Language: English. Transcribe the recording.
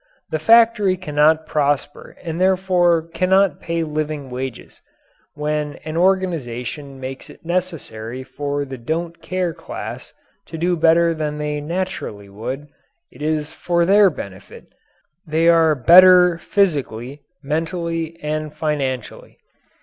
The factory cannot prosper and therefore cannot pay living wages. When an organization makes it necessary for the don't care class to do better than they naturally would, it is for their benefit they are better physically, mentally, and financially.